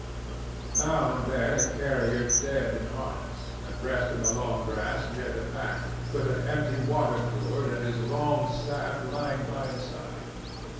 Now and then a carrier dead in harness, at rest in the long grass near the path, with an empty water gourd and his long staff lying by his side.